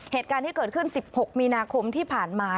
เหตุการณ์ที่เกิดขึ้น๑๖มีนาคมที่ผ่านมา